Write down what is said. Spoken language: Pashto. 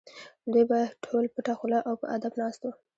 دوی به ټول پټه خوله او په ادب ناست وو.